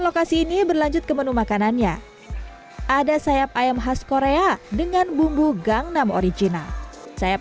lokasi ini berlanjut ke menu makanannya ada sayap ayam khas korea dengan bumbu gangnam original sayap